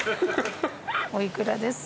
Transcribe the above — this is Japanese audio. お幾らです？